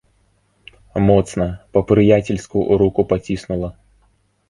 Моцна, па-прыяцельску руку паціснула.